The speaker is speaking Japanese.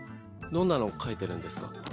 どんなの書いてるんですか？